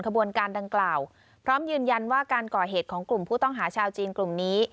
ขบวนการดังกล่าวพร้อมยืนยันว่าการก่อเหตุของกลุ่มผู้ต้องหาชาวจีนกลุ่มนี้